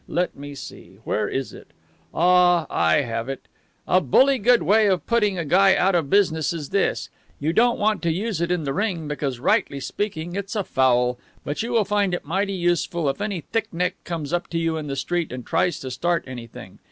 Let me see, where is it? Ah, I have it. 'A bully good way of putting a guy out of business is this. You don't want to use it in the ring, because rightly speaking it's a foul, but you will find it mighty useful if any thick neck comes up to you in the street and tries to start anything.